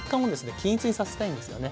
均一にさせたいんですよね。